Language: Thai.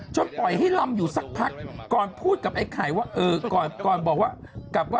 จนปล่อยให้ลำอยู่สักพักก่อนพูดกับไอ้ไข่ว่า